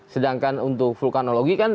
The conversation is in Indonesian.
sedangkan untuk vulkanologi kan